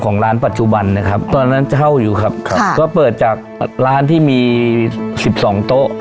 ตรงร้านปัจจุบันนะครับตอนนั้นเจ้าอยู่ครับก็เปิดจากร้านที่มี๑๒โต๊ะ